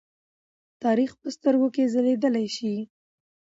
تاریخ په سترګو کې ځليدلی شي.